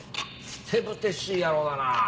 ふてぶてしい野郎だな。